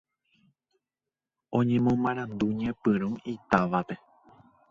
Oñemoarandu ñepyrũ itávape